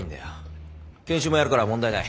研修もやるから問題ない。